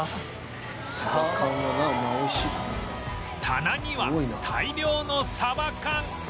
棚には大量のサバ缶